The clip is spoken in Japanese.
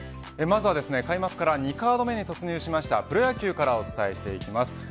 まずは開幕から２カード目に突入したプロ野球から、お伝えします。